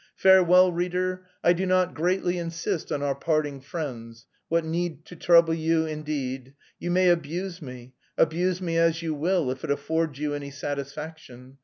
"Farewell, reader; I do not greatly insist on our parting friends; what need to trouble you, indeed. You may abuse me, abuse me as you will if it affords you any satisfaction.